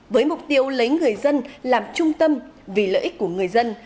với mục tiêu lấy người dân làm trung tâm vì lợi ích của người dân